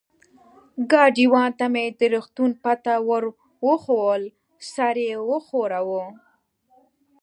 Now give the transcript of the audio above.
ګاډیوان ته مې د روغتون پته ور وښوول، سر یې و ښوراوه.